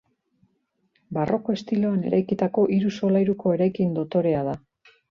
Barroko estiloan eraikitako hiru solairuko eraikin dotorea da.